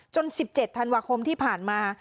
๑๗ธันวาคมที่ผ่านมา